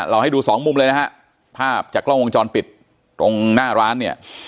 ให้ดูสองมุมเลยนะฮะภาพจากกล้องวงจรปิดตรงหน้าร้านเนี่ย